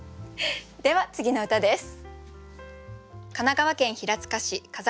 では次の歌です。